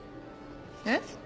えっ？